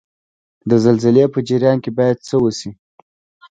د زلزلې په جریان کې باید څه وشي؟